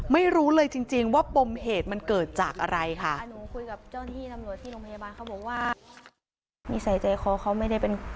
ไม่รู้เลยจริงจริงว่าปมเหตุมันเกิดจากอะไรค่ะ